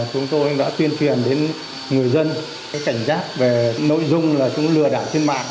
chúng tôi đã tuyên truyền đến người dân cảnh giác về nội dung là chúng lừa đảo trên mạng